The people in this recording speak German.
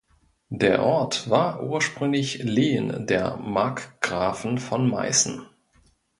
Der Ort war ursprünglich Lehen der Markgrafen von Meißen.